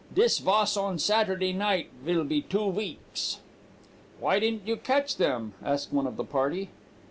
Dis vas on Saturday night vill be two veeks.' "'Why didn't you catch them then?' asked one of the party.